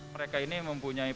mereka ini mempunyai pengguna